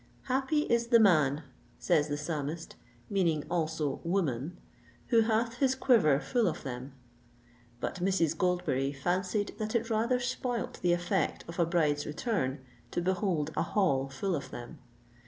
"Happy is the man," says the psalmist, meaning also woman, "who hath his quiver full of them:" but Mrs. Goldberry fancied that it rather spoilt the effect of a bride's return, to behold a hall full of them.